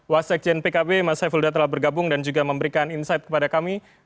wasik jnpkb mas saiful huda telah bergabung dan juga memberikan insight kepada kami